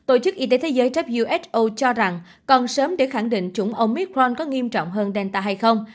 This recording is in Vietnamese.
who cho rằng còn sớm để khẳng định chủng omicron có nghiêm trọng hơn delta hay không